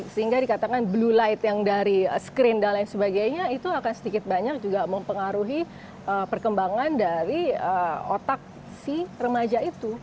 sehingga dikatakan blue light yang dari screen dan lain sebagainya itu akan sedikit banyak juga mempengaruhi perkembangan dari otak si remaja itu